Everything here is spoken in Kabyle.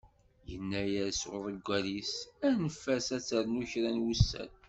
Yenna-as uḍeggal-is, anef-as ad ternu kra n wussan.